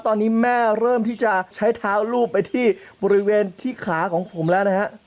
ตอนนี้แม่เริ่มที่จะใช้เท้ารูปไปที่บริเวณที่ขาของผมแล้วนะฮะ